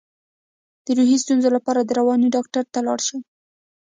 د روحي ستونزو لپاره د رواني ډاکټر ته لاړ شئ